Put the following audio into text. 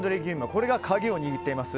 これが鍵を握っています。